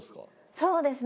そうですね。